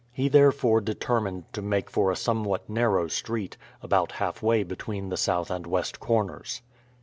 He, therefore, determined to make for a somewhat narrow street, about halfway between the south and west corners.